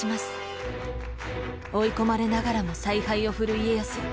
追い込まれながらも采配を振る家康。